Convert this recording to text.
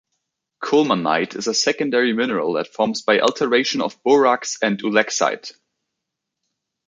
Colemanite is a secondary mineral that forms by alteration of borax and ulexite.